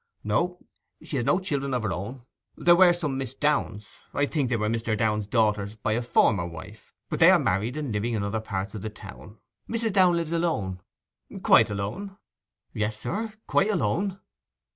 'No; she has no children of her own. There were some Miss Downes; I think they were Mr. Downe's daughters by a former wife; but they are married and living in other parts of the town. Mrs. Downe lives alone.' 'Quite alone?' 'Yes, sir; quite alone.